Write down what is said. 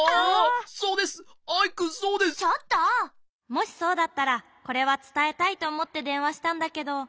もしそうだったらこれはつたえたいとおもってでんわしたんだけど。